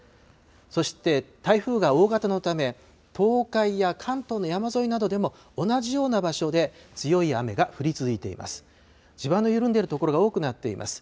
そして、台風が大型のため、東海や関東の山沿いなどでも同じような場所で強い雨が降り続いています。